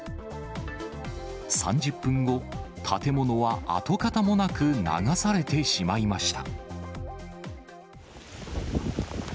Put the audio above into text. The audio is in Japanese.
３０分後、建物は跡形もなく流されてしまいました。